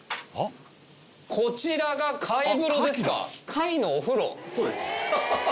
こちらが貝ぶろですか？